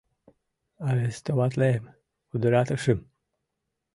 - Арестоватлем пудыратышым!